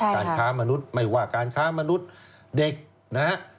การค้ามนุษย์ไม่ว่าการค้ามนุษย์เด็กนะฮะ